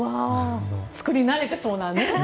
作りなれてそうなね。